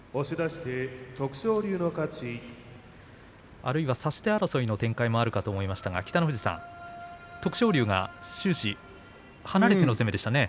あるいは差し手争いの展開もあるかと思いましたけども北の富士さん、徳勝龍が終始離れての攻めでしたね。